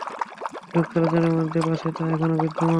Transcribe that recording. লোক চলাচলের পথের পাশে তা এখনও বিদ্যমান।